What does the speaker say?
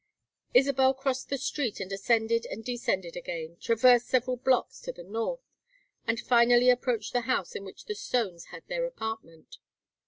Isabel crossed the street and ascended and descended again, traversed several blocks to the north, and finally approached the house in which the Stones had their apartment.